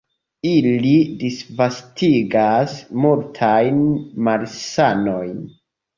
Ili disvastigas multajn malsanojn.